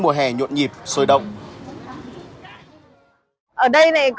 mùa hè nhuộn nhịp sôi động